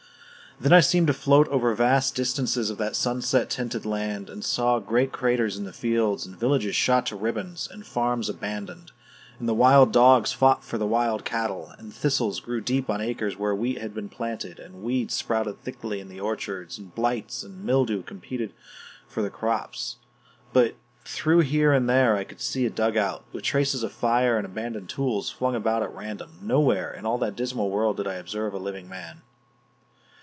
Then I seemed to float over vast distances of that sunset tinted land, and saw great craters in the fields, and villages shot to ribbons, and farms abandoned; and the wild dogs fought for the wild cattle; and thistles grew deep on acres where wheat had been planted, and weeds sprouted thickly in the orchards, and blight and mildew competed for the crops. But though here and there I could see a dugout, with traces of fire and abandoned tools flung about at random, nowhere in all that dismal world did I observe a living man.